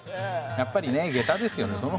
やっぱり下駄ですよね。